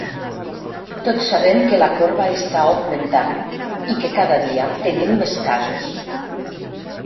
Tots sabem que la corba està augmentant i que cada dia tenim més casos.